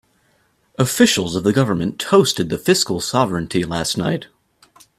Officials of the government toasted the fiscal sovereignty last night.